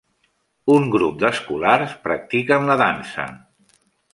Un grup d'escolars practiquen la dansa.